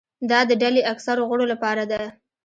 دا د ډلې اکثرو غړو لپاره ده.